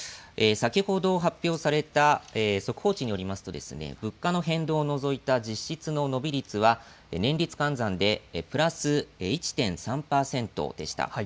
先ほど発表された速報値によりますと物価の変動を除いた実質の伸び率は年率換算でプラス１．３％でした。